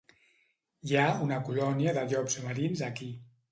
Hi ha una colònia de llops marins aquí.